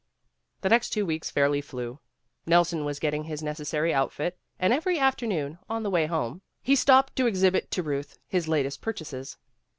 The next two weeks fairly flew. Nelson was getting his necessary outfit, and every after noon, on the way home, he stopped to exhibit to Euth his latest purchases.